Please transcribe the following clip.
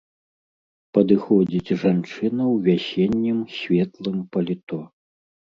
Падыходзіць жанчына ў вясеннім светлым паліто.